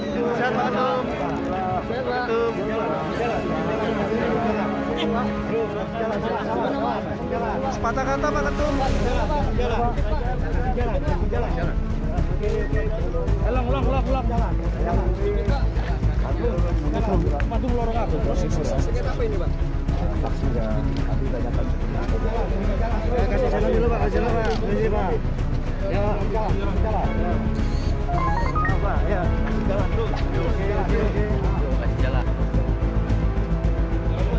jalan jalan jalan